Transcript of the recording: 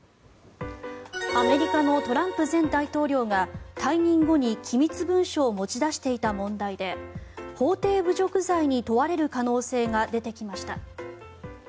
アメリカのトランプ前大統領が退任後に機密文書を持ち出していた問題で法廷侮辱罪に問われる可能性が出てきました。